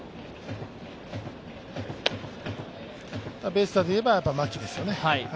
ベイスターズでいえば牧ですよね。